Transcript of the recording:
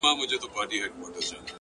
سیاه پوسي ده’ برباد دی’